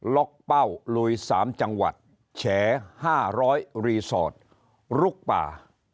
ล็อกเป้าลุย๓จังหวัดแฉ๕๐๐รีสอร์ทลุกป่า